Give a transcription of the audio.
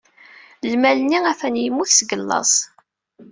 Lmal-nni atan yemmut seg laẓ.